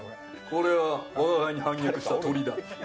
これは我が輩に反逆した鳥だ。